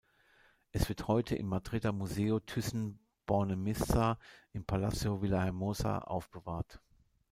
Es wird heute im Madrider Museo Thyssen-Bornemisza im Palacio Villahermosa aufbewahrt.